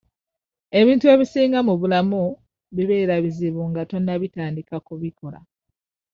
Ebintu ebisinga mu bulamu bibeera bizibu nga tonnabitandika kubikola.